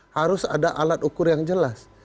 harus ada alat ukur yang jelas